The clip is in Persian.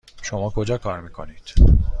شما کجا کار میکنید؟